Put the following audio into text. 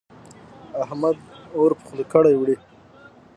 احمد اور په خوله کړې وړي.